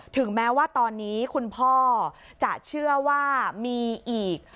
ถึงแม้ว่าตอนนี้คุณพ่อจะเชื่อว่ามีอีก